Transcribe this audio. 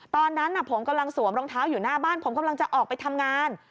ตอนนั้นผมกำลังสวมรองเท้าอยู่หน้าบ้านผมกำลังจะออกไปทำงาน